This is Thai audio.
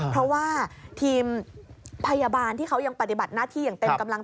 เพราะว่าทีมพยาบาลที่เขายังปฏิบัติหน้าที่อย่างเต็มกำลัง